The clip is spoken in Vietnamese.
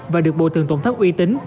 và được bộ thường tổng thất uy tín